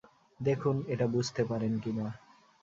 দেখুন, এটা বুঝতে পারেন কি না।